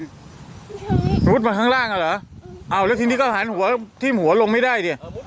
ลูกมุดมาข้างล่างล่ะอ้าวแล้วจริงก็หันหัวทิ้งหัวลงไม่ได้